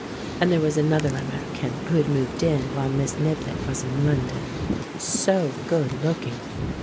And — there was another American, who had moved in while Miss Niblett was in London. So good looking